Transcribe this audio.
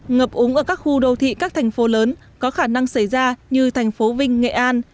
ngập úng ở các khu đô thị các thành phố lớn có khả năng xảy ra như thành phố vinh nghệ an